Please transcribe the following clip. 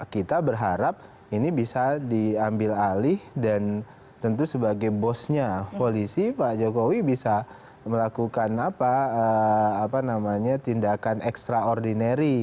kita berharap ini bisa diambil alih dan tentu sebagai bosnya polisi pak jokowi bisa melakukan tindakan ekstraordinari